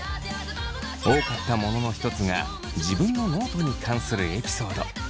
多かったものの一つが自分のノートに関するエピソード。